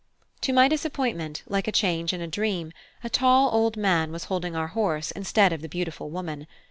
To my disappointment, like a change in a dream, a tall old man was holding our horse instead of the beautiful woman.